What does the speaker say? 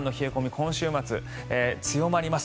今週末、強まります。